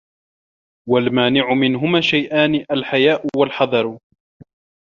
وَالْمَانِعُ مِنْهُمَا شَيْئَانِ الْحَيَاءُ ، وَالْحَذَرُ